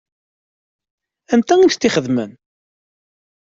Anta i m-tt-ixedmen?